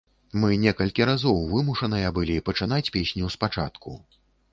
Мы некалькі разоў вымушаныя былі пачынаць песню спачатку.